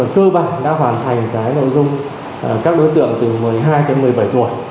cơ bản đã hoàn thành nội dung các đối tượng từ một mươi hai đến một mươi bảy tuổi